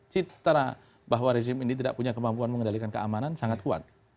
citra bahwa rezim ini tidak punya kemampuan mengendalikan keamanan sangat kuat